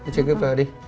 chị kịp về đi